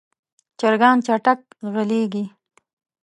چرګان چټک ځغلېږي.